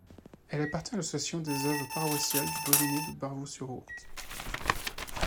Elle appartient à l'Association des Œuvres paroissiales du Doyenné de Barvaux-sur-Ourthe.